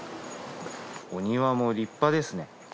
お庭も立派ですね。